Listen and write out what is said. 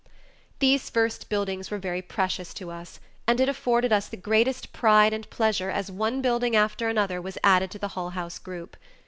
These first buildings were very precious to us and it afforded us the greatest pride and pleasure as one building after another was added to the Hull House group.